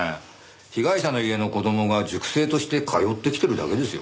被害者の家の子供が塾生として通ってきてるだけですよ。